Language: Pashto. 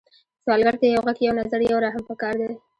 سوالګر ته یو غږ، یو نظر، یو رحم پکار دی